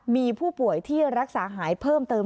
มีผู้ป่วยที่รักษาหายเพิ่มเติม